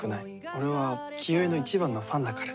俺は清居のいちばんのファンだから。